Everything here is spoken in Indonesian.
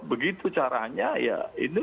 begitu caranya ya itu